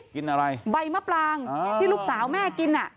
กินอะไรใบมะปลางที่ลูกสาวแม่กิน